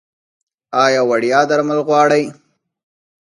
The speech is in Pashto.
ایا وړیا درمل غواړئ؟